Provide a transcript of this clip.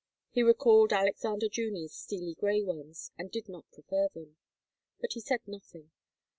He recalled Alexander Junior's steely grey ones, and did not prefer them. But he said nothing.